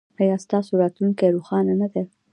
ایا ستاسو راتلونکې روښانه نه ده؟